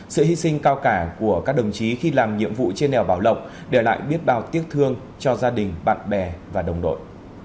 sự hy sinh cao cả của các đồng chí khi làm nhiệm vụ trên đèo bảo lộc để lại biết bao tiếc thương cho gia đình bạn bè và đồng đội